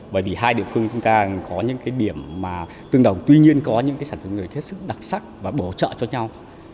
bởi vì hai địa phương chúng ta có những điểm tương đồng tuy nhiên có những sản xuất người thiết sức đặc sắc và bổ trợ cho nhau